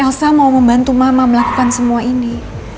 elsa mau membantu mama melakukan semua ini